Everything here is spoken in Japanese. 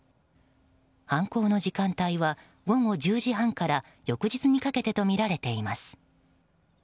犯行の時間帯は午後１０時半から翌日にかけてとみられています。